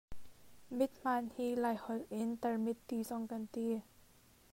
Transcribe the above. Mithmaan hi Lai holh in tarmit ti zong kan ti.